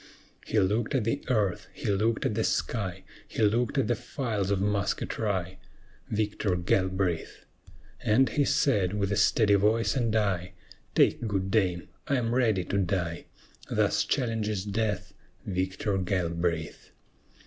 He looked at the earth, he looked at the sky, He looked at the files of musketry, Victor Galbraith! And he said, with a steady voice and eye, "Take good aim; I am ready to die!" Thus challenges death Victor Galbraith.